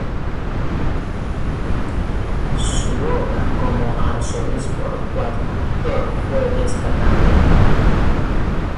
Su obra como arzobispo coadjutor fue destacable.